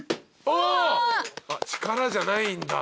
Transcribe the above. あっ力じゃないんだ。